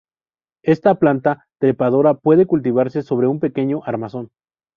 Esta planta trepadora puede cultivarse sobre un pequeño armazón.